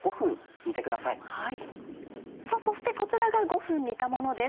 そしてこちらが５分煮たものです。